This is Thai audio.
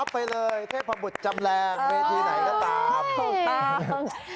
รับไปเลยเทพบุตรจำแรกเวทีไหนก็ตามต้องตาม